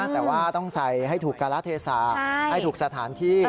แต่ว่าต้องใส่ให้ถูกการะเทศะให้ถูกสถานที่